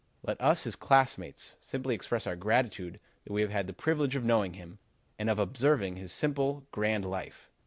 Let us, his classmates, simply express our gratitude that we have had the privilege of knowing him and of observing his simple, grand life.